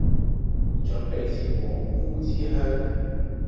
準備前往烏之鄉